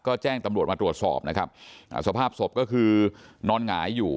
ก็แจ้งตำรวจมาตรวจสอบนะครับอ่าสภาพศพก็คือนอนหงายอยู่